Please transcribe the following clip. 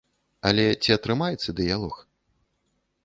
Але ці атрымаецца дыялог?